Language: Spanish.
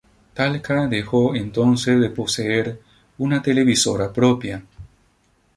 Talca dejó entonces de poseer una televisora propia.